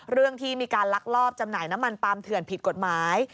เรื่องที่มีการลักลอบจำหน่ายน้ำมันปาล์เถื่อนผิดกฎหมาย